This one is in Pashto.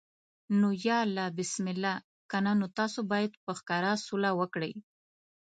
نو یا الله بسم الله، کنه نو تاسو باید په ښکاره سوله وکړئ.